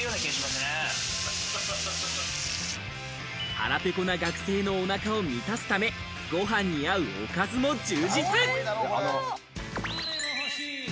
腹ペコな学生のおなかを満たすため、ご飯に合うおかずも充実。